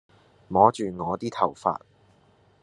摸住我啲頭髮